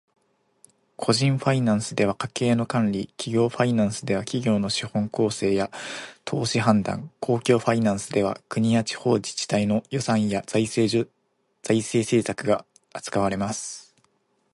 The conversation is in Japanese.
個人ファイナンスでは家計の管理、企業ファイナンスでは企業の資本構成や投資判断、公共ファイナンスでは国や地方自治体の予算や財政政策が扱われます。